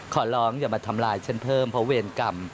ขอร้องอย่ามาทำลายฉันเพิ่มเพราะเวรกรรม